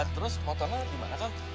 terus motornya dimana kang